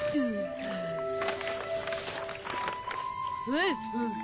ほうほう。